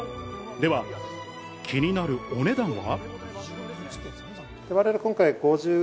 では、気になるお値段は？